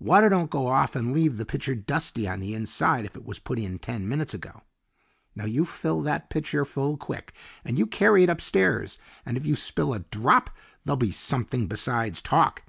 Water don't go off and leave the pitcher dusty on the inside if it was put in ten minutes ago. Now you fill that pitcher full quick, and you carry it upstairs, and if you spill a drop there'll be something besides talk."